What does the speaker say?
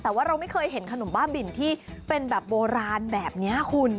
แต่ว่าเราไม่เคยเห็นขนมบ้าบินที่เป็นแบบโบราณแบบนี้คุณ